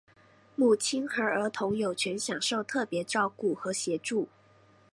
母亲和儿童有权享受特别照顾和协助。